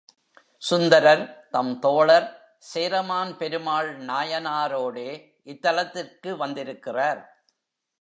சுந்தரர் தம் தோழர் சேரமான் பெருமாள் நாயனாரோடே இத்தலத்துக்கு வந்திருக்கிறார்.